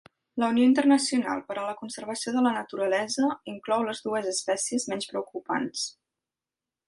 La Unió internacional per a la conservació de la naturalesa inclou les dues espècies menys preocupants.